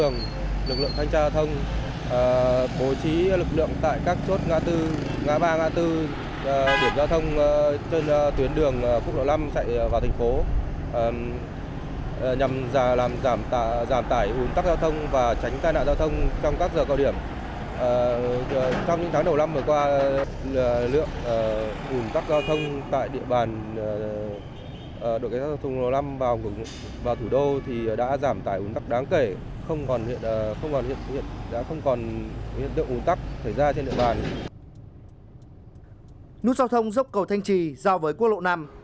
nút giao thông dốc cầu thanh trì giao với quốc lộ năm